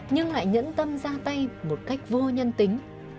nhưng lại nhẫn tâm ra tay một cách vô nhân tính